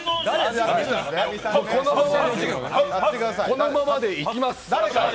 このままでいきます。